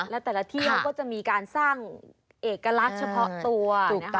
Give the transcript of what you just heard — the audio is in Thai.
แล้วแต่ละที่เขาก็จะมีการสร้างเอกลักษณ์เฉพาะตัวนะคะ